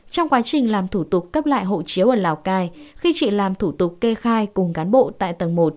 trong quá trình làm thủ tục cấp lại hộ chiếu ở lào cai khi chị làm thủ tục kê khai cùng cán bộ tại tầng một